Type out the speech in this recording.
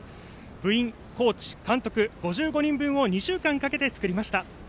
部員、コーチ、監督、５５人分を２週間かけて作りました。